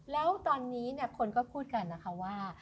แล้วตอนนี้คนก็พูดกันนะคะว่า